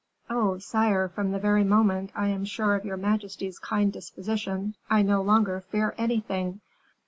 "Oh, sire, from the very moment I am sure of your majesty's kind disposition, I no longer fear anything!"